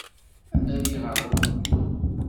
Ad nali ɣer uɣeddu.